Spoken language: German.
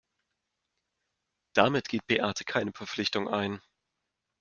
Damit geht Beate keine Verpflichtung ein.